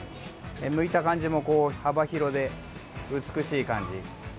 むいた感じもこう、幅広で美しい感じ。